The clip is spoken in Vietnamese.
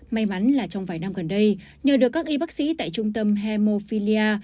may mắn là trong vài năm gần đây nhờ được các y bác sĩ tại trung tâm hemophilia